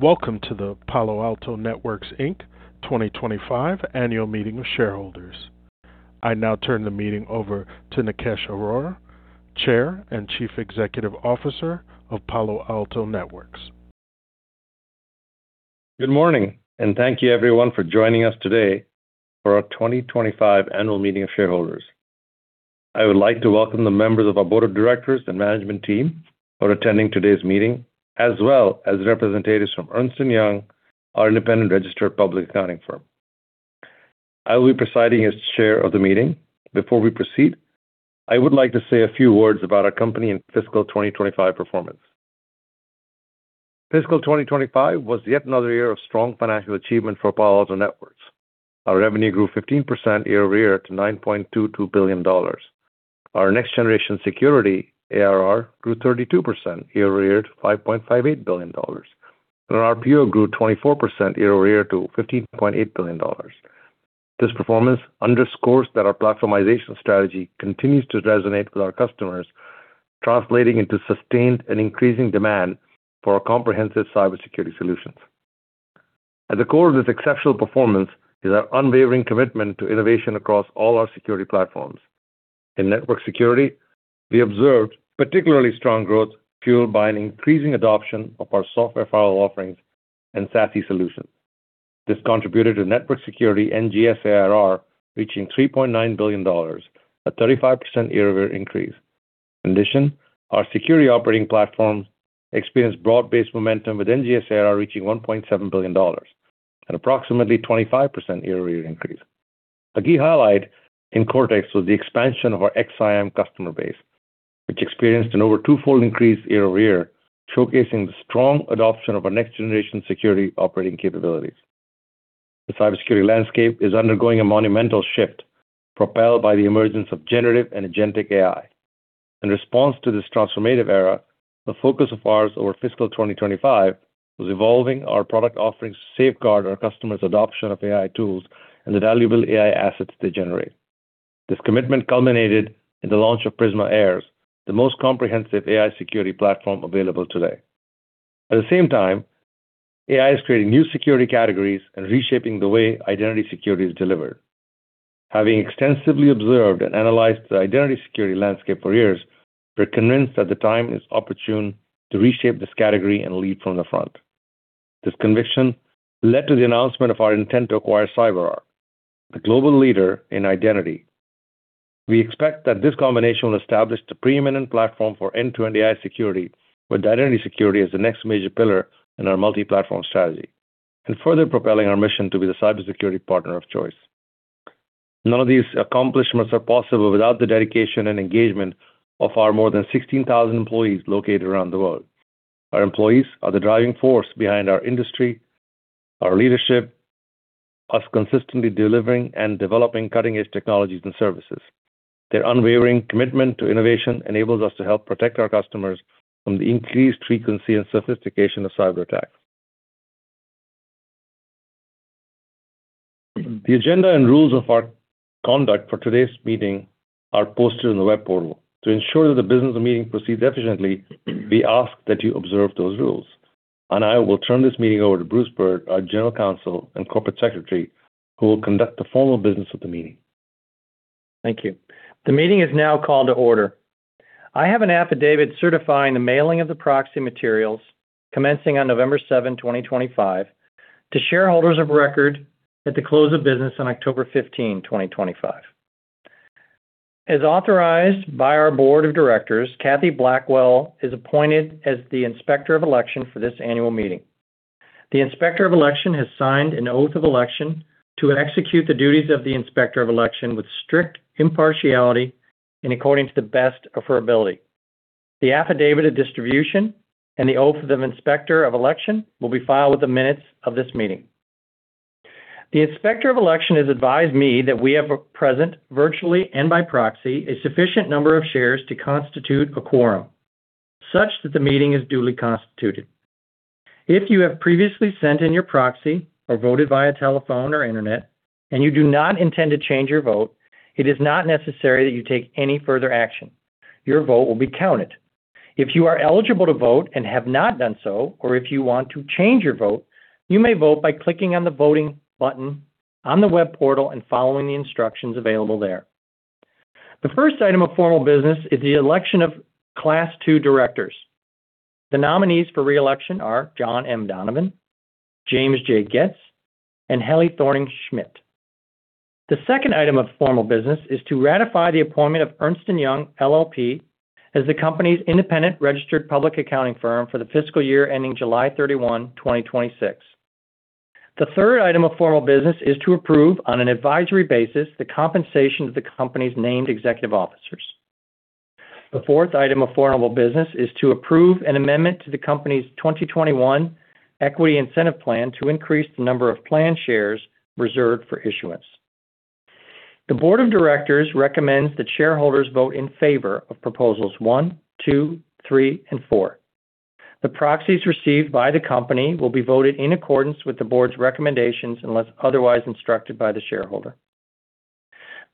Welcome to the Palo Alto Networks Inc. 2025 Annual Meeting of Shareholders. I now turn the meeting over to Nikesh Arora, Chair and Chief Executive Officer of Palo Alto Networks. Good morning, and thank you everyone for joining us today for our 2025 Annual Meeting of Shareholders. I would like to welcome the members of our Board of Directors and Management Team for attending today's meeting, as well as representatives from Ernst & Young, our independent registered public accounting firm. I will be presiding as Chair of the meeting. Before we proceed, I would like to say a few words about our company and fiscal 2025 performance. Fiscal 2025 was yet another year of strong financial achievement for Palo Alto Networks. Our revenue grew 15% year over year to $9.22 billion. Our Next-Generation Security ARR grew 32% year over year to $5.58 billion, and our ARR grew 24% year over year to $15.8 billion. This performance underscores that our platformization strategy continues to resonate with our customers, translating into sustained and increasing demand for our comprehensive cybersecurity solutions. At the core of this exceptional performance is our unwavering commitment to innovation across all our security platforms. In Network Security, we observed particularly strong growth fueled by an increasing adoption of our software firewalls and SASE solutions. This contributed to Network Security NGS ARR reaching $3.9 billion, a 35% year over year increase. In addition, our Security Operations Platform experienced broad-based momentum, with NGS ARR reaching $1.7 billion, an approximately 25% year over year increase. A key highlight in Cortex was the expansion of our XSIAM customer base, which experienced an over twofold increase year over year, showcasing the strong adoption of our Next-Generation Security operating capabilities. The cybersecurity landscape is undergoing a monumental shift, propelled by the emergence of generative and agentic AI. In response to this transformative era, the focus of ours over fiscal 2025 was evolving our product offerings to safeguard our customers' adoption of AI tools and the valuable AI assets they generate. This commitment culminated in the launch of Prisma Cloud AI Runtime Security, the most comprehensive AI security platform available today. At the same time, AI is creating new security categories and reshaping the way identity security is delivered. Having extensively observed and analyzed the identity security landscape for years, we're convinced that the time is opportune to reshape this category and lead from the front. This conviction led to the announcement of our intent to acquire CyberArk, the global leader in identity. We expect that this combination will establish the preeminent platform for end-to-end AI security, with identity security as the next major pillar in our multi-platform strategy, and further propelling our mission to be the cybersecurity partner of choice. None of these accomplishments are possible without the dedication and engagement of our more than 16,000 employees located around the world. Our employees are the driving force behind our industry, our leadership, us consistently delivering and developing cutting-edge technologies and services. Their unwavering commitment to innovation enables us to help protect our customers from the increased frequency and sophistication of cyberattacks. The agenda and rules of our conduct for today's meeting are posted on the web portal. To ensure that the business of the meeting proceeds efficiently, we ask that you observe those rules, and I will turn this meeting over to Bruce Byrd, our General Counsel and Corporate Secretary, who will conduct the formal business of the meeting. Thank you. The meeting is now called to order. I have an affidavit certifying the mailing of the proxy materials, commencing on November 7, 2025, to shareholders of record at the close of business on October 15, 2025. As authorized by our Board of Directors, Kathy Blackwell is appointed as the Inspector of Election for this annual meeting. The Inspector of Election has signed an oath of election to execute the duties of the Inspector of Election with strict impartiality and according to the best of her ability. The affidavit of distribution and the oath of the Inspector of Election will be filed with the minutes of this meeting. The Inspector of Election has advised me that we have present, virtually and by proxy, a sufficient number of shares to constitute a quorum such that the meeting is duly constituted. If you have previously sent in your proxy or voted via telephone or internet, and you do not intend to change your vote, it is not necessary that you take any further action. Your vote will be counted. If you are eligible to vote and have not done so, or if you want to change your vote, you may vote by clicking on the voting button on the web portal and following the instructions available there. The first item of formal business is the election of Class II directors. The nominees for reelection are John M. Donovan, James J. Goetz, and Helle Thorning-Schmidt. The second item of formal business is to ratify the appointment of Ernst & Young LLP as the company's independent registered public accounting firm for the fiscal year ending July 31, 2026. The third item of formal business is to approve, on an advisory basis, the compensation of the company's named executive officers. The fourth item of formal business is to approve an amendment to the company's 2021 Equity Incentive Plan to increase the number of planned shares reserved for issuance. The Board of Directors recommends that shareholders vote in favor of proposals one, two, three, and four. The proxies received by the company will be voted in accordance with the board's recommendations unless otherwise instructed by the shareholder.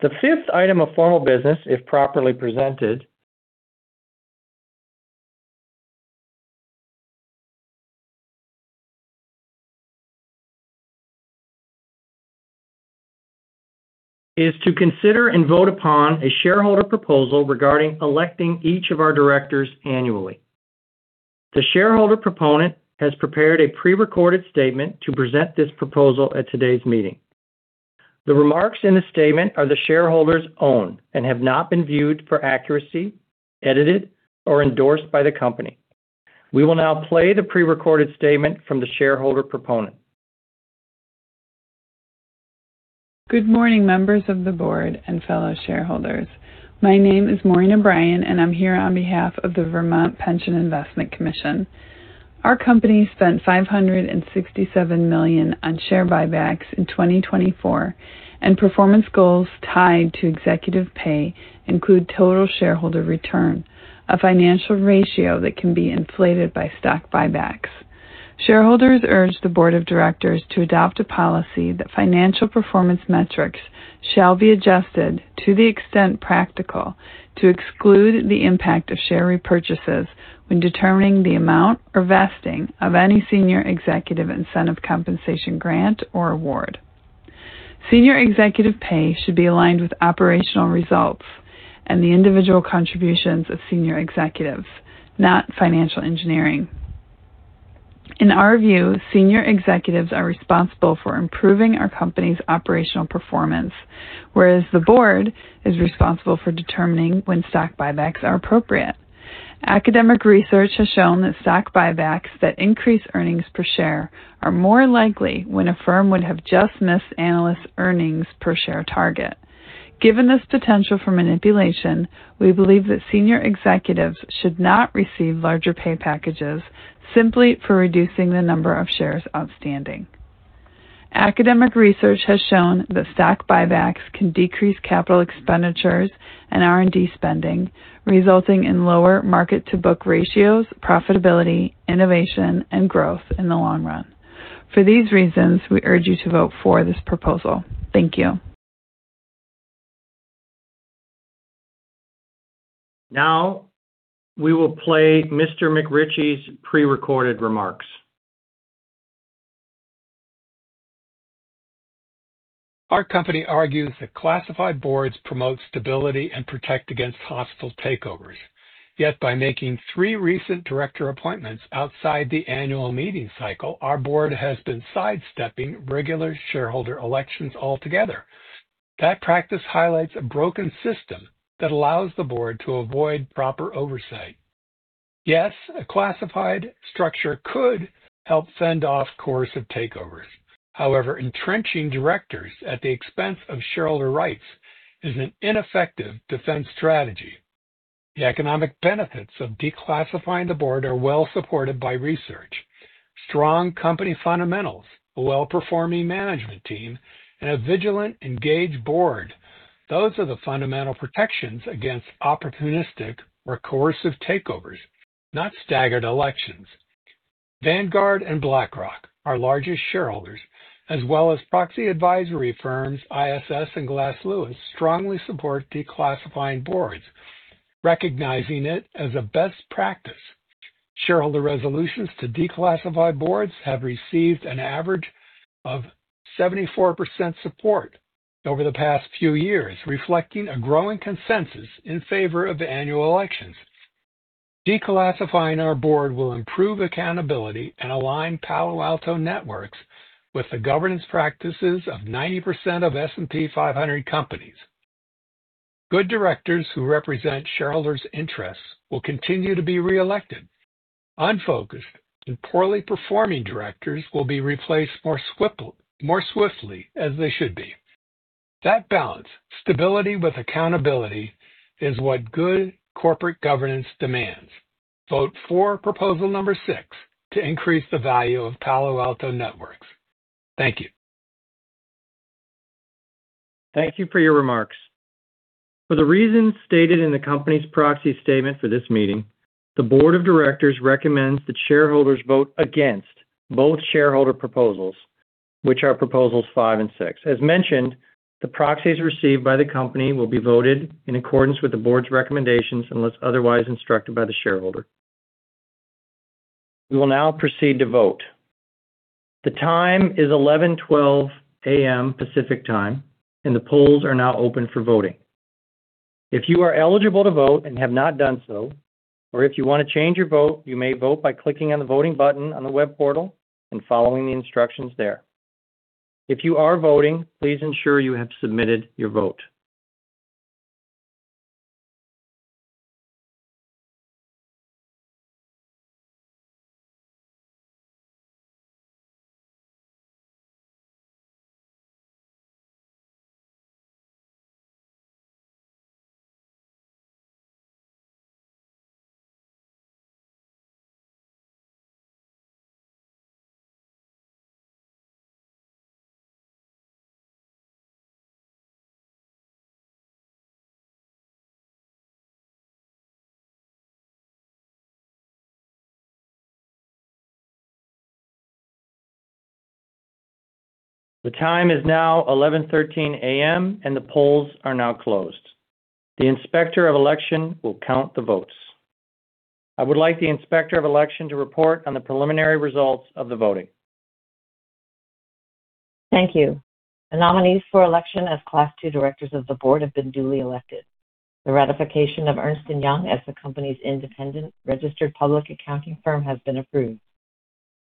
The fifth item of formal business, if properly presented, is to consider and vote upon a shareholder proposal regarding electing each of our directors annually. The shareholder proponent has prepared a prerecorded statement to present this proposal at today's meeting. The remarks in the statement are the shareholders' own and have not been viewed for accuracy, edited, or endorsed by the company. We will now play the prerecorded statement from the shareholder proponent. Good morning, members of the board and fellow shareholders. My name is Maureen O'Brien, and I'm here on behalf of the Vermont Pension Investment Commission. Our company spent $567 million on share buybacks in 2024, and performance goals tied to executive pay include total shareholder return, a financial ratio that can be inflated by stock buybacks. Shareholders urge the Board of Directors to adopt a policy that financial performance metrics shall be adjusted to the extent practical to exclude the impact of share repurchases when determining the amount or vesting of any senior executive incentive compensation grant or award. Senior executive pay should be aligned with operational results and the individual contributions of senior executives, not financial engineering. In our view, senior executives are responsible for improving our company's operational performance, whereas the board is responsible for determining when stock buybacks are appropriate. Academic research has shown that stock buybacks that increase earnings per share are more likely when a firm would have just missed analysts' earnings per share target. Given this potential for manipulation, we believe that senior executives should not receive larger pay packages simply for reducing the number of shares outstanding. Academic research has shown that stock buybacks can decrease capital expenditures and R&D spending, resulting in lower market-to-book ratios, profitability, innovation, and growth in the long run. For these reasons, we urge you to vote for this proposal. Thank you. Now we will play Mr. McRitchie's prerecorded remarks. Our company argues that classified boards promote stability and protect against hostile takeovers. Yet, by making three recent director appointments outside the annual meeting cycle, our board has been sidestepping regular shareholder elections altogether. That practice highlights a broken system that allows the board to avoid proper oversight. Yes, a classified structure could help fend off coercive takeovers. However, entrenching directors at the expense of shareholder rights is an ineffective defense strategy. The economic benefits of declassifying the board are well supported by research. Strong company fundamentals, a well-performing management team, and a vigilant, engaged board, those are the fundamental protections against opportunistic or coercive takeovers, not staggered elections. Vanguard and BlackRock, our largest shareholders, as well as proxy advisory firms ISS and Glass Lewis, strongly support declassifying boards, recognizing it as a best practice. Shareholder resolutions to declassify boards have received an average of 74% support over the past few years, reflecting a growing consensus in favor of annual elections. Declassifying our board will improve accountability and align Palo Alto Networks with the governance practices of 90% of S&P 500 companies. Good directors who represent shareholders' interests will continue to be reelected. Unfocused and poorly performing directors will be replaced more swiftly as they should be. That balance, stability with accountability, is what good corporate governance demands. Vote for proposal number six to increase the value of Palo Alto Networks. Thank you. Thank you for your remarks. For the reasons stated in the company's proxy statement for this meeting, the Board of Directors recommends that shareholders vote against both shareholder proposals, which are proposals five and six. As mentioned, the proxies received by the company will be voted in accordance with the board's recommendations unless otherwise instructed by the shareholder. We will now proceed to vote. The time is 11:12 A.M. Pacific Time, and the polls are now open for voting. If you are eligible to vote and have not done so, or if you want to change your vote, you may vote by clicking on the voting button on the web portal and following the instructions there. If you are voting, please ensure you have submitted your vote. The time is now 11:13 A.M., and the polls are now closed. The Inspector of Election will count the votes. I would like the Inspector of Election to report on the preliminary results of the voting. Thank you. The nominees for election as Class II directors of the board have been duly elected. The ratification of Ernst & Young as the company's independent registered public accounting firm has been approved.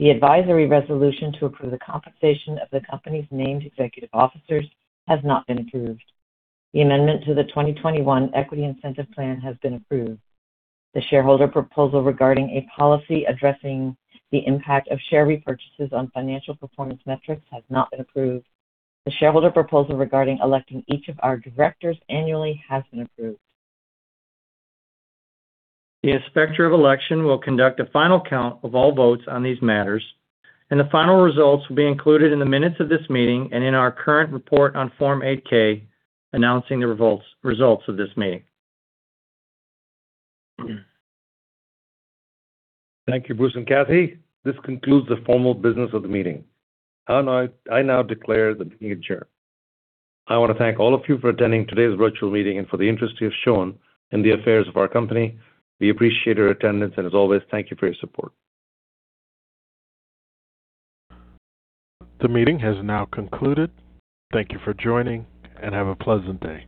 The advisory resolution to approve the compensation of the company's named executive officers has not been approved. The amendment to the 2021 Equity Incentive Plan has been approved. The shareholder proposal regarding a policy addressing the impact of share repurchases on financial performance metrics has not been approved. The shareholder proposal regarding electing each of our directors annually has been approved. The Inspector of Election will conduct a final count of all votes on these matters, and the final results will be included in the minutes of this meeting and in our current report on Form 8-K announcing the results of this meeting. Thank you, Bruce and Kathy. This concludes the formal business of the meeting, and I now declare the meeting adjourned. I want to thank all of you for attending today's virtual meeting and for the interest you have shown in the affairs of our company. We appreciate your attendance, and as always, thank you for your support. The meeting has now concluded. Thank you for joining, and have a pleasant day.